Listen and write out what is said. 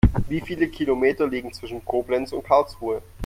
Wie viele Kilometer liegen zwischen Koblenz und Karlsruhe?